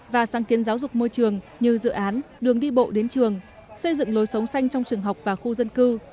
và sáng kiến giáo dục môi trường như dự án đường đi bộ đến trường xây dựng lối sống xanh trong trường học và khu dân cư